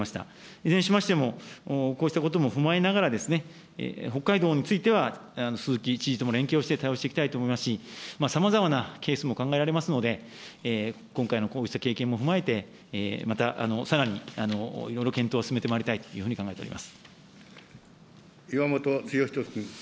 いずれにしましても、こうしたことも踏まえながら、北海道については鈴木知事とも連携して対応していきたいと思いますし、さまざまなケースも考えられますので、今回のこうした経験も踏まえて、またさらにいろいろ検討を進めてまいりたいというふうに考えてお岩本剛人君。